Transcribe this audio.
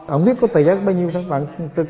ông viết có tờ giấy bao nhiêu